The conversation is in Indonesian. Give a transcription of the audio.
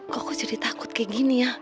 kok aku jadi takut kayak gini ya